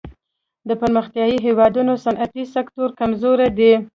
د پرمختیايي هېوادونو صنعتي سکتور کمزوری دی.